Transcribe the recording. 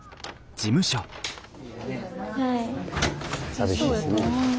寂しいですね。